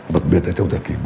đặc biệt là trong thời kỳ bốn